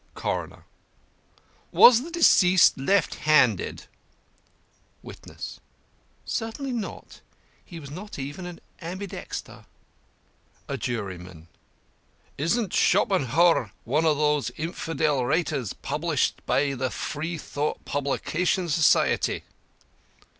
CORONER: Was the deceased left handed? WITNESS: Certainly not. He was not even ambidexter. A JURYMAN: Isn't Shoppinhour one of the infidel writers, published by the Freethought Publication Society?